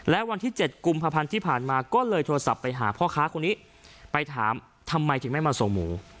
และวันที่๗กุมภาพันธ์ที่ผ่านมาก็เลยโทรศัพท์ไปหาพ่อค้าคนนี้ไปถามทำไมถึงไม่มาส่งหมู